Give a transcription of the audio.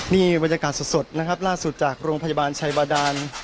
นี่บรรยากาศสดนะครับล่าสุดจากโรงพยาบาลชัยบาดาน